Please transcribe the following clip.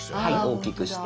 大きくして。